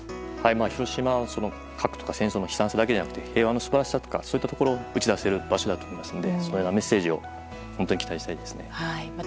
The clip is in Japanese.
広島は、核とか戦争の悲惨さだけじゃなくて平和の素晴らしさとかそういったところを打ち出せる場所だと思いますのでメッセージを本当に期待しています。